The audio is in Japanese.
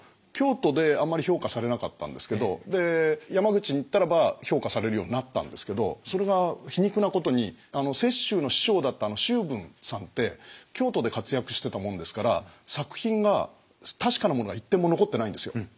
京都であんまり評価されなかったんですけど山口に行ったらば評価されるようになったんですけどそれが皮肉なことに雪舟の師匠だった周文さんって京都で活躍してたもんですから作品が確かなものが一点も残ってないんですよ